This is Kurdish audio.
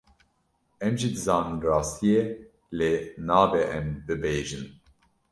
Em jî dizanin rastiyê lê nabe em bibêjin.